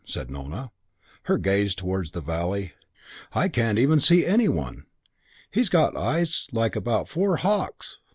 said Nona, her gaze towards the valley. "I can't even see any one. He's got eyes like about four hawks!"